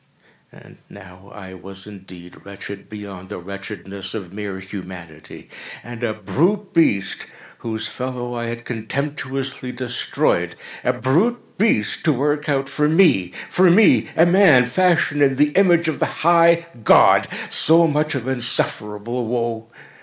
And now was I indeed wretched beyond the wretchedness of mere Humanity. And a brute beast —whose fellow I had contemptuously destroyed—a brute beast to work out for me—for me a man, fashioned in the image of the High God—so much of insufferable woe!